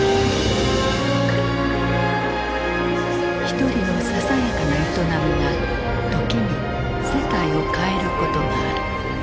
一人のささやかな営みが時に世界を変えることがある。